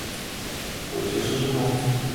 — Почешыже мо?